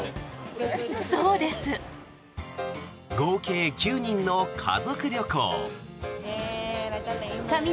合計９人の家族旅行。